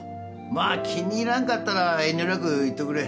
まあ気に入らんかったら遠慮なく言ってくれ